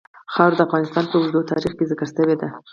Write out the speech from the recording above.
خاوره د افغانستان په اوږده تاریخ کې ذکر شوی دی.